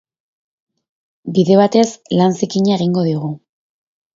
Bide batez, lan zikina egingo digu.